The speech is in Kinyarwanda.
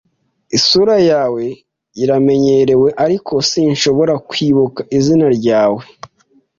Isura yawe iramenyerewe, ariko sinshobora kwibuka izina ryawe.